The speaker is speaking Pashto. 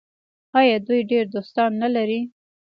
آیا دوی ډیر دوستان نلري؟